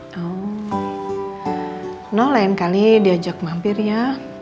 hmm lain kali diajak mampir ya